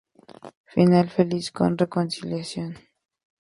Final feliz con reconciliación.